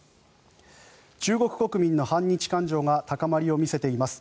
中国国民の反日感情が高まりを見せています。